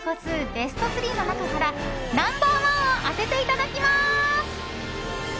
ベスト３の中からナンバー１を当てていただきます。